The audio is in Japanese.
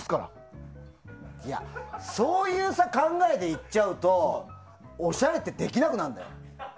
そういう考えで行っちゃうとおしゃれってできなくなるんだよ。